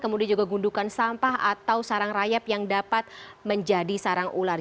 kemudian juga gundukan sampah atau sarang rayap yang dapat menjadi sarang ular